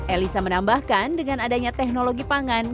elisa menambahkan dengan adanya teknologi pangan